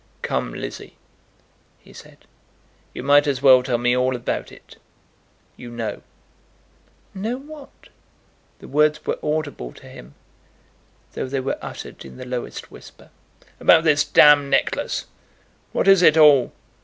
"Come, Lizzie," he said, "you might as well tell me all about it. You know." "Know what?" The words were audible to him, though they were uttered in the lowest whisper. "About this d necklace. What is it all?